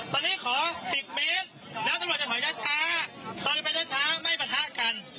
ตอนนี้ขอสิบเมตรน้องตำรวจจะถอยได้ช้าตอนนี้ไปได้ช้าไม่ปะทะกัน